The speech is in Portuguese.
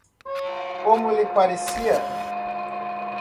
Como ele parecia?